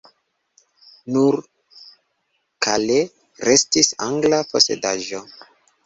Nur Calais restis angla posedaĵo.